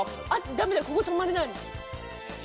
ダメだここ止まれない。